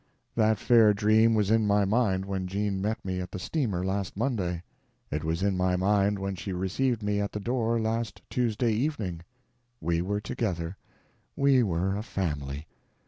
That fair dream was in my mind when Jean met me at the steamer last Monday; it was in my mind when she received me at the door last Tuesday evening. We were together; WE WERE A FAMILY!